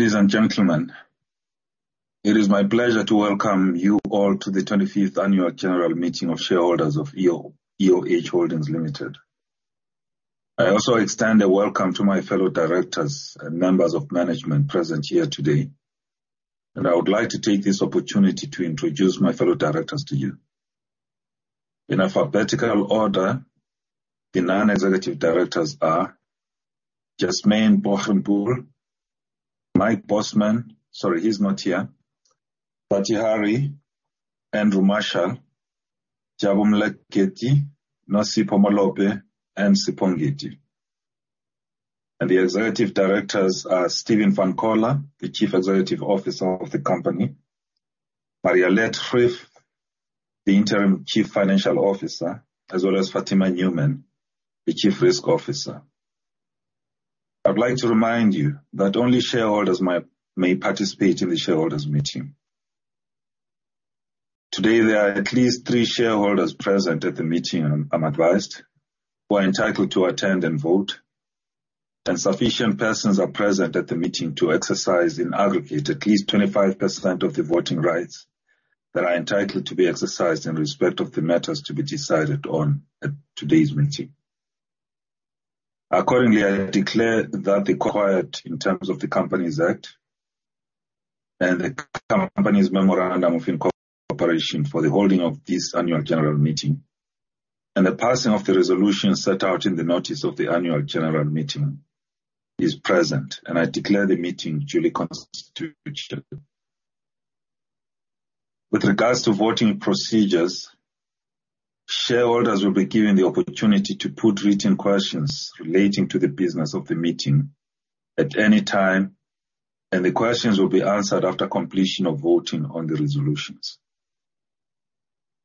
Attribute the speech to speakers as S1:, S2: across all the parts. S1: Ladies and gentlemen, it is my pleasure to welcome you all to the 25th annual general meeting of shareholders of EOH Holdings Limited. I also extend a welcome to my fellow directors and members of management present here today, and I would like to take this opportunity to introduce my fellow directors to you. In alphabetical order, the non-executive directors are Jesmane Boggenpoel and Mike Bosman. Sorry, he's not here. Bharti Harie, Andrew Marshall, Jabu Moleketi, Nosipho Molope, and Sipho Ngidi. The executive directors are Stephen van Coller, the Chief Executive Officer of the company. Marialet Greeff, the Interim Chief Financial Officer. As well as Fatima Newman, the Chief Risk Officer. I'd like to remind you that only shareholders may participate in the shareholders' meeting. Today, there are at least three shareholders present at the meeting, I'm advised, who are entitled to attend and vote, and sufficient persons are present at the meeting to exercise in aggregate at least 25% of the voting rights that are entitled to be exercised in respect of the matters to be decided on at today's meeting. Accordingly, I declare that the quorum in terms of the Companies Act and the company's Memorandum of Incorporation for the holding of this annual general meeting and the passing of the resolution set out in the notice of the annual general meeting is present, and I declare the meeting duly constituted. With regard to voting procedures, shareholders will be given the opportunity to put written questions relating to the business of the meeting at any time, and the questions will be answered after completion of voting on the resolutions.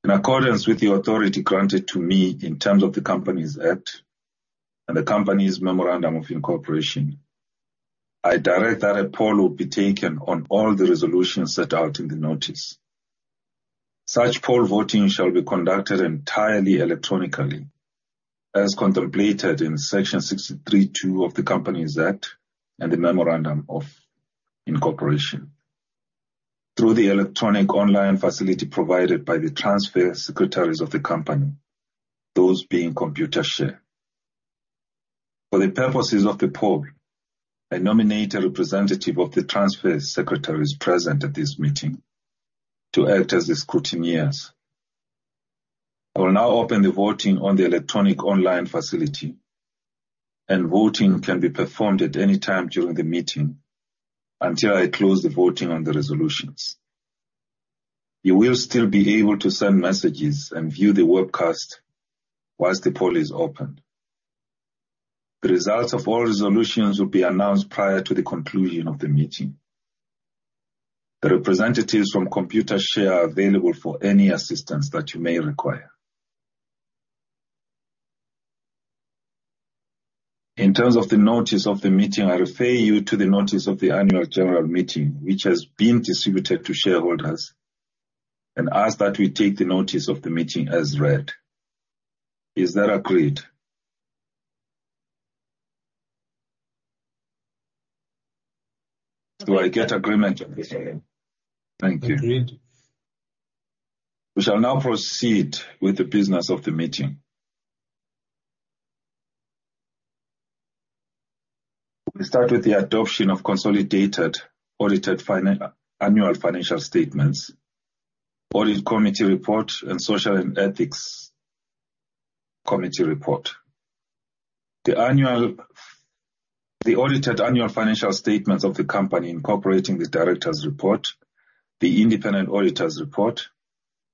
S1: In accordance with the authority granted to me in terms of the Companies Act and the company's Memorandum of Incorporation, I direct that a poll will be taken on all the resolutions set out in the notice. Such poll voting shall be conducted entirely electronically, as contemplated in Section 63 of the Companies Act and the Memorandum of Incorporation. Through the electronic online facility provided by the transfer secretaries of the company, those being Computershare. For the purposes of the poll, I nominate a representative of the transfer secretaries present at this meeting to act as the scrutineers. I will now open the voting on the electronic online facility, and voting can be performed at any time during the meeting until I close the voting on the resolutions. You will still be able to send messages and view the webcast while the poll is open. The results of all resolutions will be announced prior to the conclusion of the meeting. The representatives from Computershare are available for any assistance that you may require. In terms of the notice of the meeting, I refer you to the notice of the annual general meeting, which has been distributed to shareholders, and ask that we take the notice of the meeting as read. Is that agreed? Do I get agreement on this then?
S2: Agreed.
S1: We shall now proceed with the business of the meeting. We start with the adoption of consolidated audited annual financial statements, the Audit Committee report, and the Social and Ethics Committee report. The audited annual financial statements of the company, incorporating the directors' report, the independent auditors' report,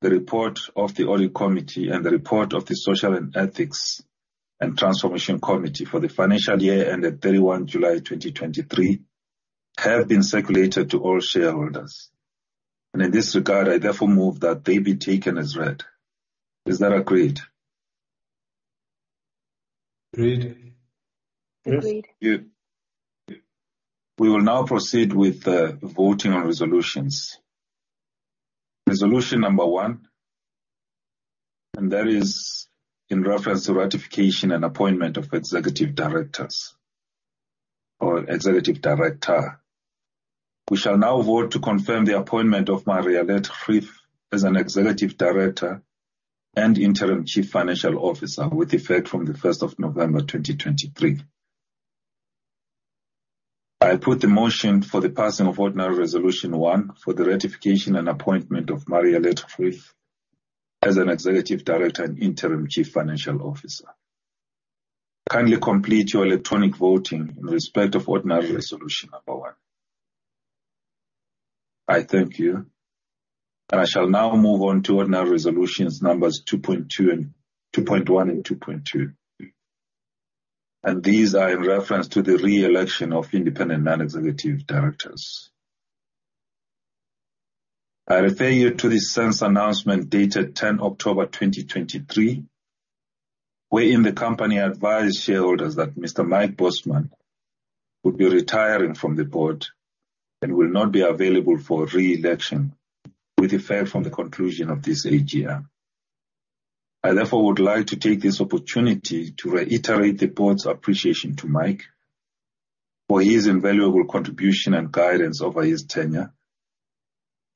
S1: the report of the Audit Committee, and the report of the Social and Ethics and Transformation Committee for the financial year ending July 31, 2023, have been circulated to all shareholders. In this regard, I therefore move that they be taken as read. Is that agreed?
S2: Agreed.
S1: Thank you. We will now proceed with the voting on resolutions. Resolution number 1, which is in reference to the ratification and appointment of executive directors or an executive director. We shall now vote to confirm the appointment of Marialet Greeff as an executive director and Interim Chief Financial Officer with effect from November 1, 2023. I put the motion for the passing of ordinary resolution 1 for the ratification and appointment of Marialet Greeff as an Executive Director and Interim Chief Financial Officer. Kindly complete your electronic voting in respect of ordinary resolution number 1. I thank you, and I shall now move on to ordinary resolutions numbers 2.1 and 2.2. These are in reference to the re-election of independent non-executive directors. I refer you to the SENS announcement dated October 10th, 2023, wherein the company advised shareholders that Mr. Mike Bosman would be retiring from the board and will not be available for re-election with effect from the conclusion of this AGM. I therefore would like to take this opportunity to reiterate the board's appreciation to Mike for his invaluable contribution and guidance over his tenure,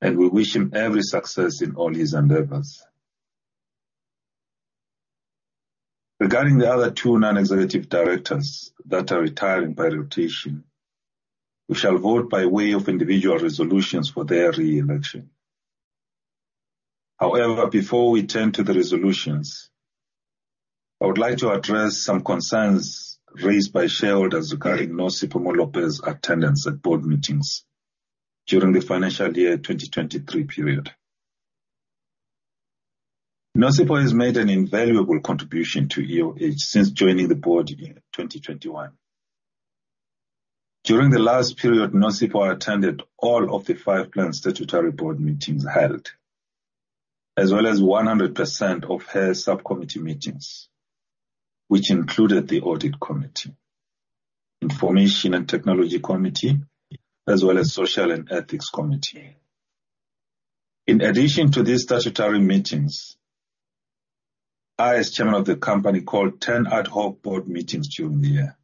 S1: and we wish him every success in all his endeavors. Regarding the other two non-executive directors who are retiring by rotation, we shall vote by way of individual resolutions for their re-election. However, before we turn to the resolutions, I would like to address some concerns raised by shareholders regarding Nosipho Molope's attendance at board meetings during the financial year 2023 period. Nosipho has made an invaluable contribution to EOH since joining the board in 2021. During the last period, Nosipho attended all of the five planned statutory board meetings held, as well as 100% of her subcommittee meetings, which included the Audit Committee, Information and Technology Committee, as well as Social and Ethics Committee. In addition to these statutory meetings, I, as chairman of the company, called 10 ad hoc board meetings during the year.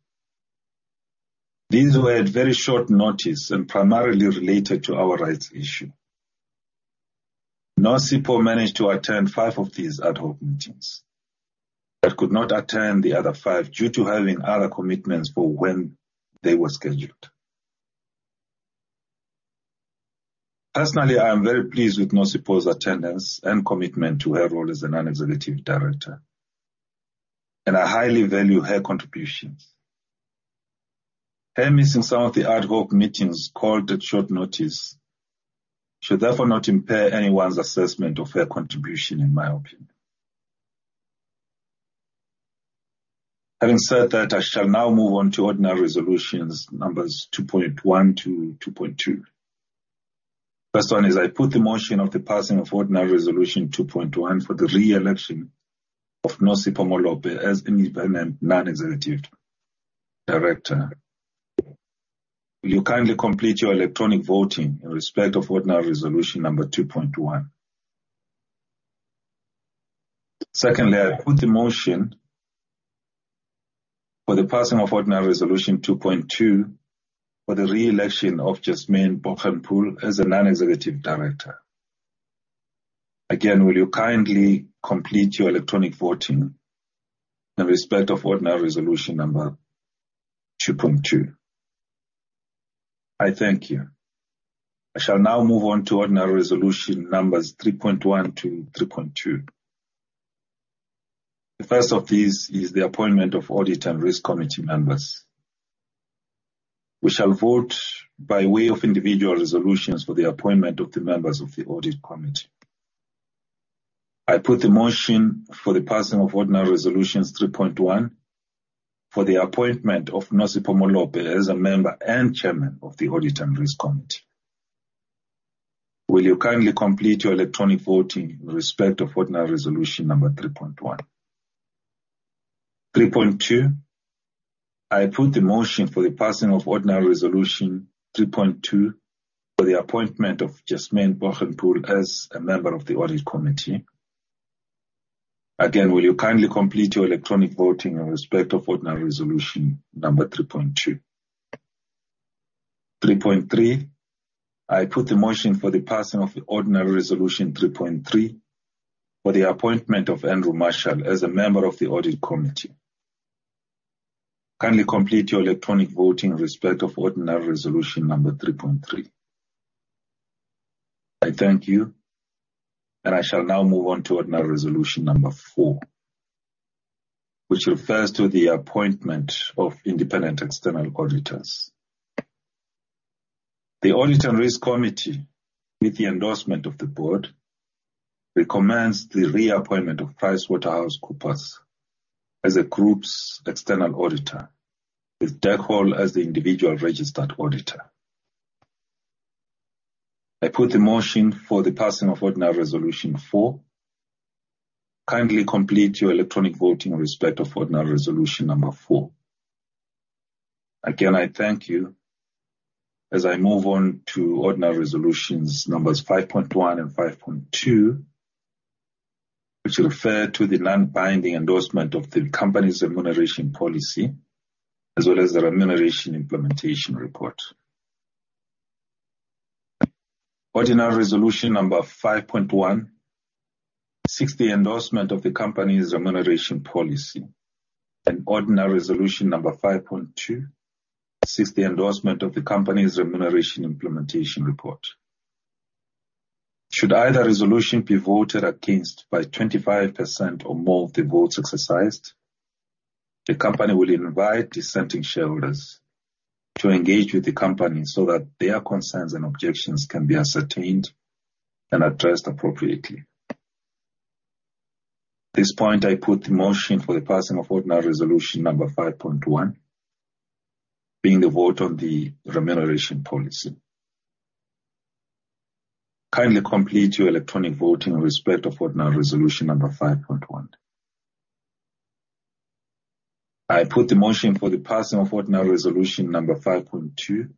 S1: These were at very short notice and primarily related to our rights issue. Nosipho managed to attend five of these ad hoc meetings, but could not attend the other five due to having other commitments for when they were scheduled. Personally, I am very pleased with Nosipho's attendance and commitment to her role as a non-executive director, and I highly value her contributions. Her missing some of the ad hoc meetings called at short notice should therefore not impair anyone's assessment of her contribution, in my opinion. Having said that, I shall now move on to ordinary resolutions numbers 2.1 to 2.2. First one is I put the motion of the passing of Ordinary Resolution 2.1 for the re-election of Nosipho Molope as an Independent Non-Executive Director. Will you kindly complete your electronic voting in respect of Ordinary Resolution number 2.1? Secondly, I put the motion for the passing of Ordinary Resolution 2.2 for the re-election of Jesmane Boggenpoel as a Non-Executive Director. Again, will you kindly complete your electronic voting in respect of Ordinary Resolution number 2.2? I thank you. I shall now move on to ordinary resolutions numbers 3.1 to 3.2. The first of these is the appointment of Audit and Risk Committee members. We shall vote by way of individual resolutions for the appointment of the members of the Audit Committee. I put the motion for the passing of ordinary resolutions 3.1 for the appointment of Nosipho Molope as a member and chairman of the Audit and Risk Committee. Will you kindly complete your electronic voting in respect of ordinary resolution number 3.1? 3.2, I put the motion for the passing of ordinary resolution 3.2 for the appointment of Jesmane Boggenpoel as a member of the Audit Committee. Again, will you kindly complete your electronic voting in respect of ordinary resolution number 3.2? 3.3, I put the motion for the passing of the ordinary resolution 3.3 for the appointment of Andrew Marshall as a member of the Audit Committee. Kindly complete your electronic vote in respect of ordinary resolution number 3.3. I thank you. I shall now move on to ordinary resolution number 4, which refers to the appointment of independent external auditors. The Audit and Risk Committee, with the endorsement of the board, recommends the reappointment of PricewaterhouseCoopers as the group's external auditor, with Deckel as the individual registered auditor. I put the motion for the passing of ordinary resolution 4. Kindly complete your electronic voting in respect of ordinary resolution number 4. Again, I thank you. As I move on to ordinary resolutions numbers 5.1 and 5.2, which refer to the non-binding endorsement of the company's remuneration policy, as well as the remuneration implementation report. Ordinary resolution number 5.1 seeks the endorsement of the company's remuneration policy. Ordinary resolution number 5.2 seeks the endorsement of the company's remuneration implementation report. Should either resolution be voted against by 25% or more of the votes exercised, the company will invite dissenting shareholders to engage with the company so that their concerns and objections can be ascertained and addressed appropriately. At this point, I put the motion for the passing of ordinary resolution number 5.1 being the vote on the remuneration policy. Kindly complete your electronic voting in respect of ordinary resolution number 5.1. I put the motion for the passing of ordinary resolution number 5.2,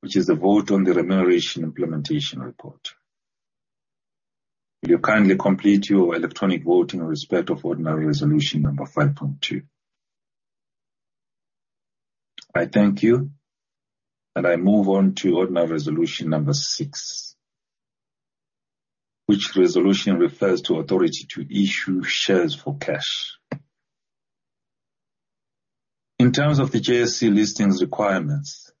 S1: which is a vote on the remuneration implementation report. Will you kindly complete your electronic vote in respect of ordinary resolution number 5.2? I thank you, and I move on to ordinary resolution number 6. Which resolution refers to the authority to issue shares for cash? In terms of the JSE listings requirements,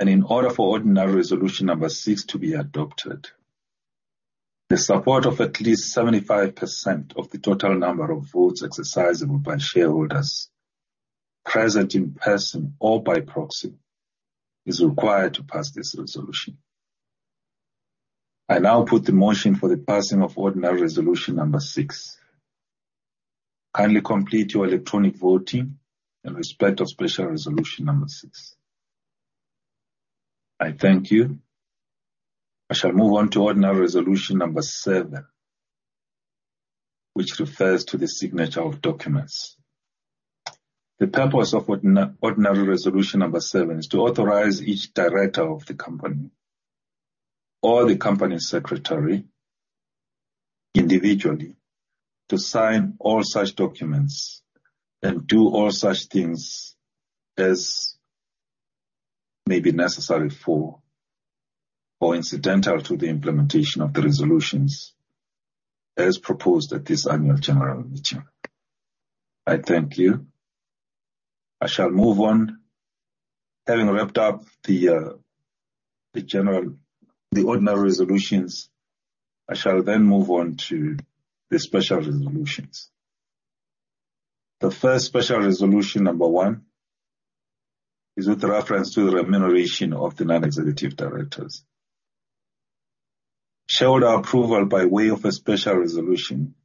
S1: in order for ordinary resolution number 6 to be adopted, the support of at least 75% of the total number of votes exercisable by shareholders present in person or by proxy is required to pass this resolution. I now put the motion for the passing of ordinary resolution number 6. Kindly complete your electronic voting in respect of special resolution number 6. I thank you. I shall move on to ordinary resolution number 7, which refers to the signature of documents. The purpose of ordinary resolution number 7 is to authorize each director of the company or the company secretary individually to sign all such documents and do all such things as may be necessary for or incidental to the implementation of the resolutions as proposed at this annual general meeting. I thank you. I shall move on. Having wrapped up the ordinary resolutions, I shall then move on to the special resolutions. The first special resolution number 1 is with reference to the remuneration of the non-executive directors. Shareholder approval by way of a special resolution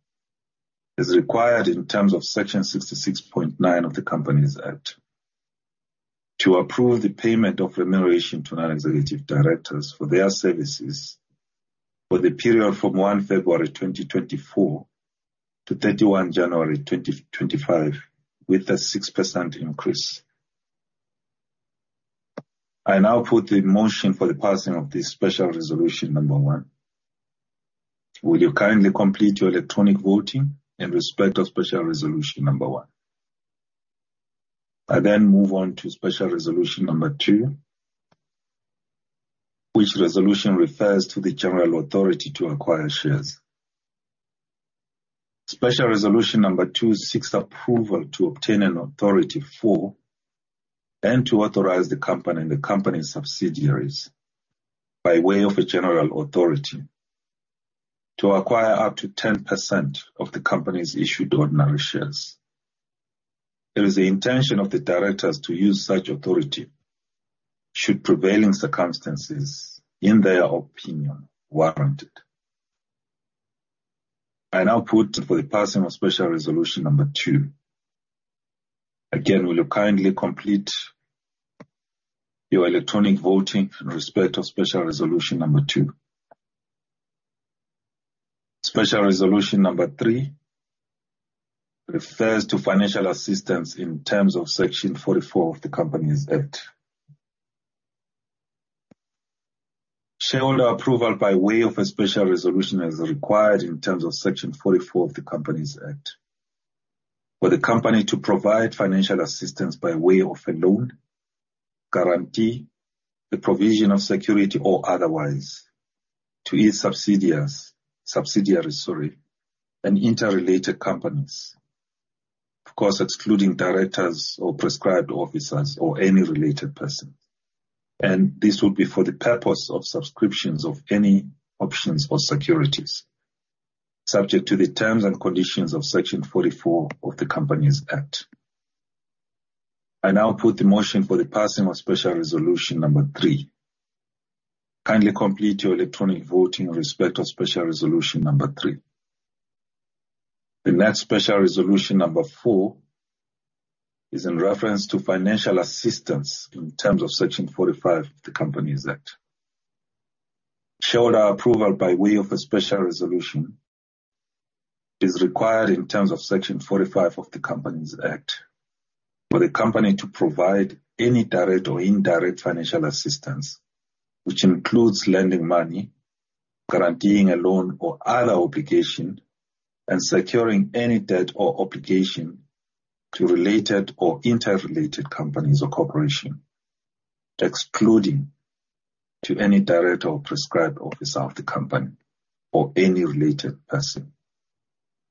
S1: is required in terms of Section 66(9) of the Companies Act to approve the payment of remuneration to non-executive directors for their services for the period from February 1, 2024, to January 31, 2025, with a 6% increase. I now put the motion for the passing of the special resolution number 1. Will you kindly complete your electronic voting in respect of special resolution number 1? I then move on to special resolution number 2, which resolution refers to the general authority to acquire shares. Special resolution number 2 seeks approval to obtain an authority for and to authorize the company and the company's subsidiaries by way of a general authority to acquire up to 10% of the company's issued ordinary shares. It is the intention of the directors to use such authority should prevailing circumstances, in their opinion, warrant it. I now put for the passing of special resolution number 2. Again, will you kindly complete your electronic voting in respect of special resolution number 2? Special resolution number 3 refers to financial assistance in terms of Section 44 of the Companies Act. Shareholder approval by way of a special resolution is required in terms of Section 44 of the Companies Act for the company to provide financial assistance by way of a loan, guarantee, the provision of security, or otherwise to its subsidiaries and interrelated companies. Of course, excluding directors, prescribed officers, or any related person. This will be for the purpose of subscriptions to any options or securities, subject to the terms and conditions of Section 44 of the Companies Act. I now put the motion for the passing of special resolution number 3. Kindly complete your electronic vote in respect of special resolution number 3. The next special resolution, number 4, is in reference to financial assistance in terms of Section 45 of the Companies Act. Shareholder approval by way of a special resolution is required in terms of Section 45 of the Companies Act for the company to provide any direct or indirect financial assistance, which includes lending money, guaranteeing a loan or other obligation, and securing any debt or obligation to related or interrelated companies or corporations, excluding to any director or prescribed officer of the company or any related person.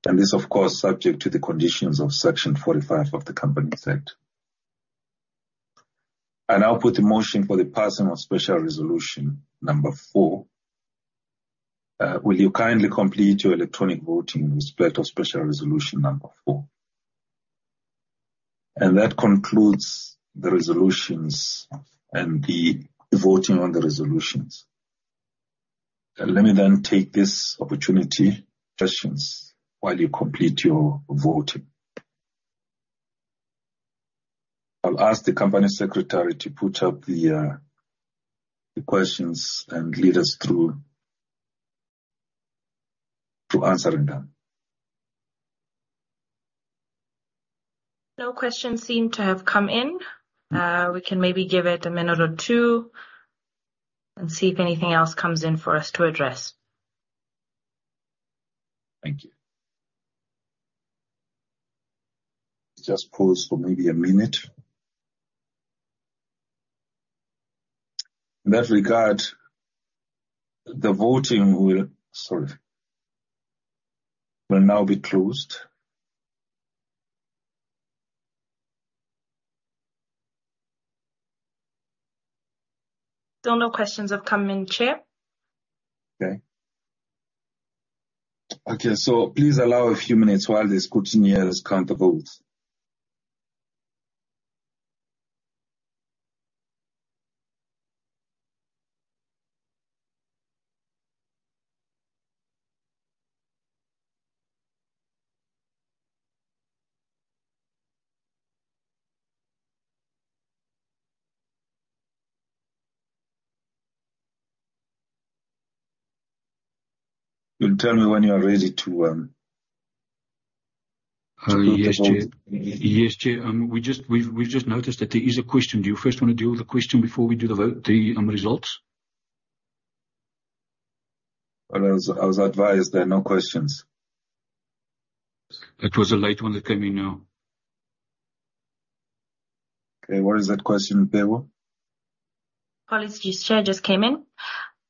S1: This, of course, is subject to the conditions of Section 45 of the Companies Act. I now put the motion for the passing of special resolution number 4. Will you kindly complete your electronic voting in respect of special resolution number 4? That concludes the resolutions and the voting on the resolutions. Let me take this opportunity, questions while you complete your voting. I'll ask the company secretary to put up the questions and lead us through to answering them.
S3: No questions seem to have come in. We can maybe give it a minute or two and see if anything else comes in for us to address.
S1: Thank you. Just pause for maybe a minute. In that regard, the voting will now be closed.
S3: Still no questions have come in, Chair.
S1: Okay. Okay, so please allow a few minutes while the scrutineers count the votes. You'll tell me when you are ready to conclude the vote.
S3: Yes, Chair. Yes, Chair. We've just noticed that there is a question. Do you first wanna deal with the question before we do the vote, the results?
S1: I was advised there are no questions.
S3: That was a late one that came in now.
S1: Okay. What is that question, Pevo?
S3: Policy, Chair, just came in.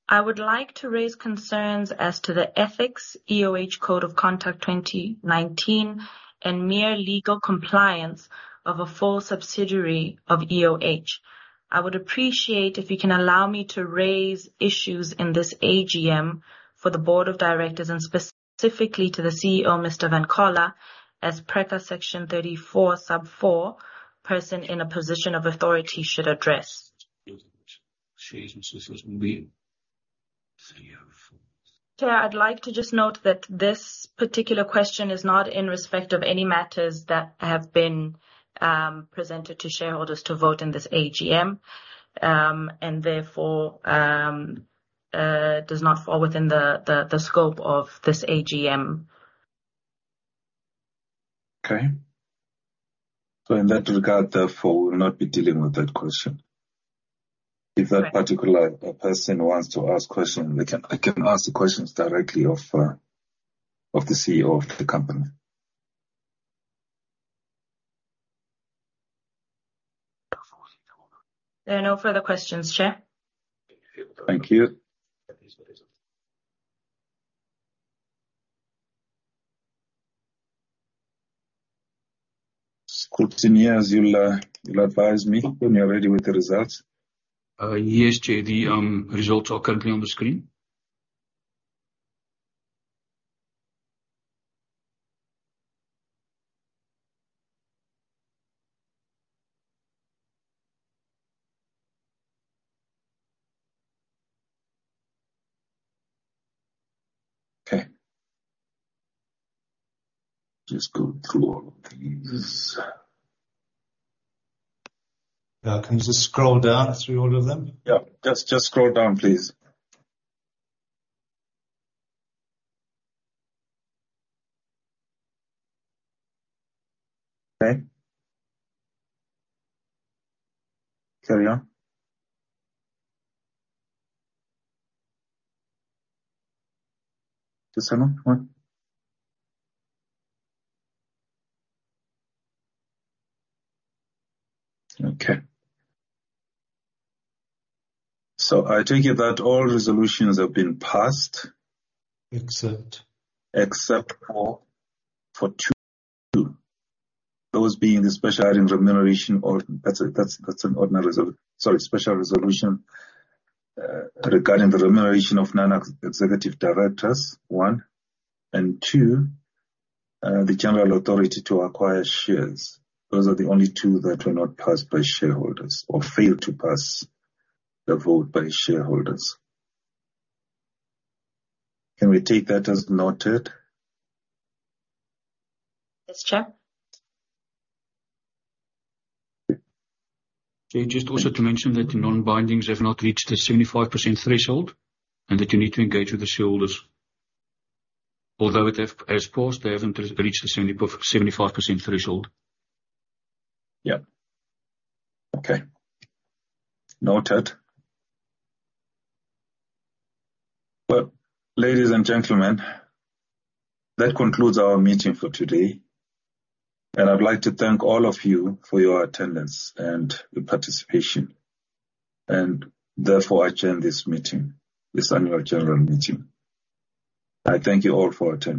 S3: "I would like to raise concerns as to the ethics EOH Code of Conduct 2019 and the mere legal compliance of a full subsidiary of EOH. I would appreciate it if you could allow me to raise issues in this AGM for the board of directors and specifically to the CEO, Mr. Stephen van Coller, as a PRECCA Section 34(4) person in a position of authority should address." Chair, I'd like to just note that this particular question is not in respect of any matters that have been presented to shareholders to vote in this AGM and therefore does not fall within the scope of this AGM.
S1: Okay. In that regard, therefore, we will not be dealing with that question. If that particular person wants to ask questions they can ask the questions directly of the CEO of the company.
S2: There are no further questions, Chair.
S1: Thank you. Scrutineers, you'll advise me when you're ready with the results.
S3: Yes, Chair. The results are currently on the screen.
S1: Okay. Just go through all of these.
S3: Yeah. Can you just scroll down through all of them?
S1: Yeah. Just scroll down, please.
S3: Okay. Carry on. Just hang on.
S1: Okay. I take it that all resolutions have been passed.
S3: Except...
S1: Except for two. Those being the Special Resolution regarding the remuneration of Non-Executive Directors, one. Two, the general authority to acquire shares. Those are the only two that were not passed by shareholders or failed to pass the vote by shareholders. Can we take that as noted?
S3: Yes, Chair. Okay. Just also to mention that the non-bindings have not reached the 75% threshold, and that you need to engage with the shareholders. Although they haven't reached the 75% threshold.
S1: Yeah. Okay. Noted. Well, ladies and gentlemen, that concludes our meeting for today, and I'd like to thank all of you for your attendance and your participation. Therefore, I adjourn this meeting, this annual general meeting. I thank you all for attending.